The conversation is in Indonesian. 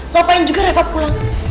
ngapain juga reva pulang